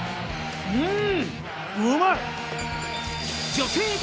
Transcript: うん！